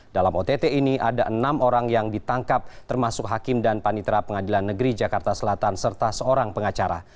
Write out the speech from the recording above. dalam ott ini ada enam orang yang ditangkap termasuk hakim dan panitera pengadilan negeri jakarta selatan serta seorang pengacara